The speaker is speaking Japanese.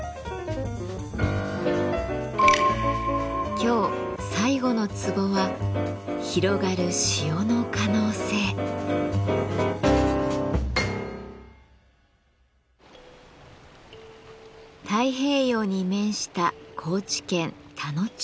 今日最後のツボは太平洋に面した高知県田野町。